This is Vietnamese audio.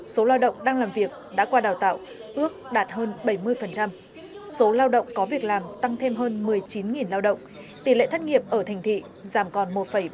số lao động đang làm việc đã qua đào tạo ước đạt hơn bảy mươi số lao động có việc làm tăng thêm hơn một mươi chín lao động tỷ lệ thất nghiệp ở thành thị giảm còn một ba mươi